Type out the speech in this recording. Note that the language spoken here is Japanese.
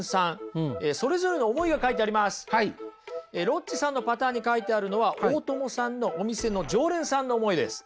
ロッチさんのパターンに書いてあるのは大友さんのお店の常連さんの思いです。